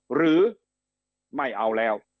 หรือไม่เอาแล้ว